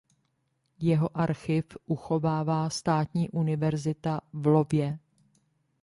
Jeho archiv uchovává Státní univerzita v Iowě.